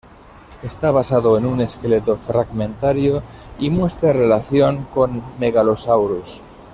Está basado en un esqueleto fragmentario y muestra relación con "Megalosaurus".